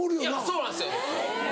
そうなんですよ。